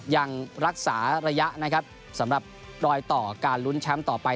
ยังรักษาระยะนะครับสำหรับรอยต่อการลุ้นแชมป์ต่อไป